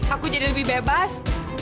aku jadi lebih bebas